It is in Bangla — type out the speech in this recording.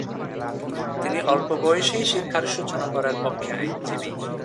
তিনি অল্প বয়সেই শিক্ষার সূচনা করার পক্ষে আইনজীবী।